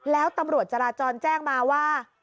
แล้วตำรวจจราจรแจ้งมาว่า